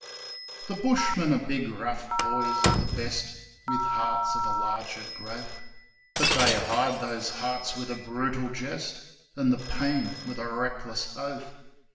The bushmen are big rough boys at the best, With hearts of a larger growth ; But they hide those hearts with a brutal jest, And the pain with a reckless oath.